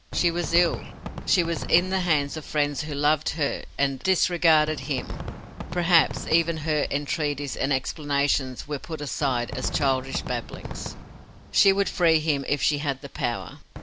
She was ill. She was in the hands of friends who loved her, and disregarded him; perhaps, even her entreaties and explanations were put aside as childish babblings. She would free him if she had the power.